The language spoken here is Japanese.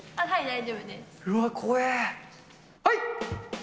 はい！